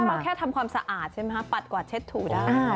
มาแค่ทำความสะอาดใช่ไหมคะปัดกวาดเช็ดถูได้